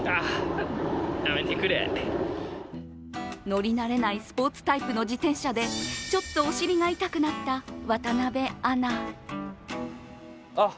乗り慣れないスポーツタイプの自転車でちょっとお尻が痛くなった渡部アナ。